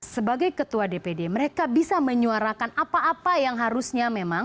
sebagai ketua dpd mereka bisa menyuarakan apa apa yang harusnya memang